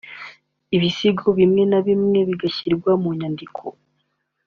Ibisigo bimwe na bimwe bigashyirwa mu nyandiko